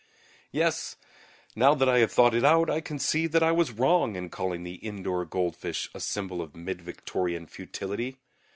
Yes; now that I have thought it out, I can see that I was wrong in calling the indoor goldfish a symbol of mid Victorian futility.